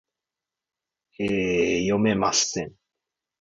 便于阅读